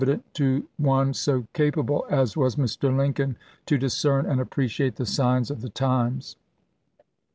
dent to one so capable as was Mr. Lincoln to dis cern and appreciate the signs of the times.